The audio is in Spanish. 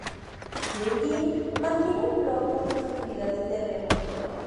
Drew Ginn mantiene un blog con sus actividades de remo.